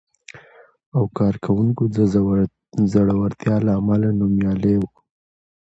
او کارونکو د زړورتیا له امله نومیالی و،